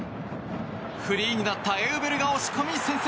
フリーになったエウベルが押し込み先制。